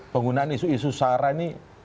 penggunaan isu isu sara ini